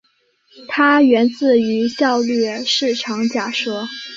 它源自于效率市场假说。